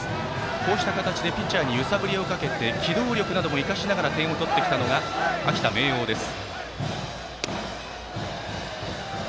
こうした形でピッチャーに揺さぶりをかけて機動力なども生かしながら点を取ってきたのが秋田・明桜です。